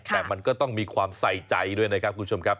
แต่มันก็ต้องมีความใส่ใจด้วยนะครับคุณผู้ชมครับ